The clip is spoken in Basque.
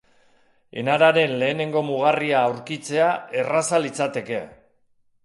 Enararen lehenengo mugarria aurkitzea erraza litzateke.